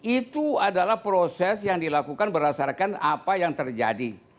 itu adalah proses yang dilakukan berdasarkan apa yang terjadi